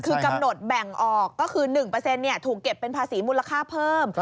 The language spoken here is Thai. คือกำหนดแบ่งออกก็คือ๑ถูกเก็บเป็นภาษีมูลค่าเพิ่ม